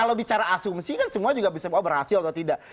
kalau bicara asumsi kan semua juga bisa berhasil atau tidak